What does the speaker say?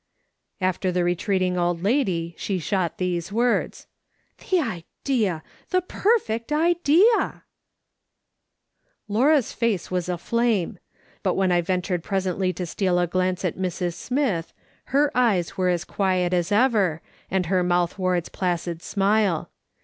After the retreating old lady she shot these words :" The idea ! the perfect idea !" Laura's face was aflame. But when I ventured presently to steal a glance at Mrs. Smith, her eyes were as quiet as ever, and her mouth wore its placid smile.